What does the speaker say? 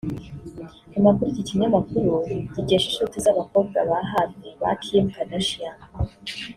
Amakuru iki kinyamakuru gikesha inshuti z’abakobwa ba hafi ba Kim Kardashian